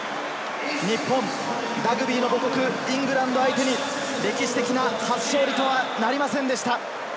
日本、ラグビーの母国・イングランドを相手に歴史的な初勝利とはなりませんでした。